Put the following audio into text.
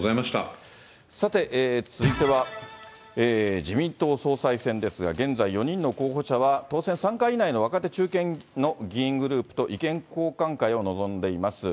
さて、続いては自民党総裁選ですが、現在、４人の候補者は、当選３回以内の若手・中堅の議員グループと意見交換会に臨んでいます。